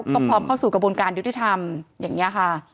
ก็พร้อมเข้าสู่กระบวนการยุติธรรมอย่างนี้ค่ะ